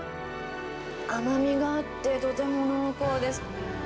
甘みがあって、とても濃厚です。